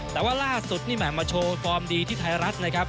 แต่ว่าล่าสุดนี่แห่มาโชว์ฟอร์มดีที่ไทยรัฐนะครับ